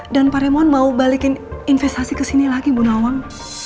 dan pak raymond mau balikin investasi ke sini lagi bu nawang